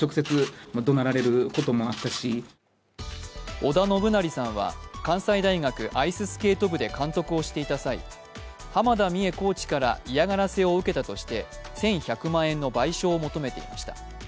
織田信成さんは、関西大学アイススケート部で監督をしていた際、濱田美栄コーチから嫌がらせを受けたとして１１００万円の賠償を求めていました。